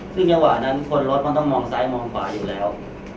ซึ่งจังหวะนั้นคนรถมันต้องมองซ้ายมองขวาอยู่แล้ว